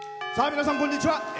皆さん、こんにちは。